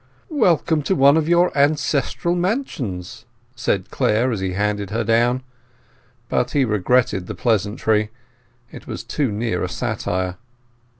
"Welcome to one of your ancestral mansions!" said Clare as he handed her down. But he regretted the pleasantry; it was too near a satire.